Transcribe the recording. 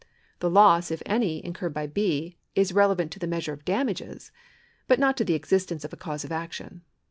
The loss, if any, incurred by B. is relevant to the measure of damages, but not to the existence of a cause of action.